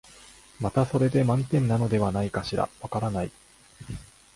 またそれで満点なのではないかしら、わからない、